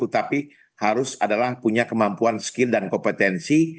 tapi harus adalah punya kemampuan skill dan kompetensi